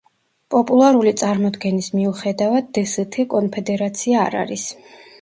პოპულარული წარმოდგენის მიუხედავად დსთ კონფედერაცია არ არის.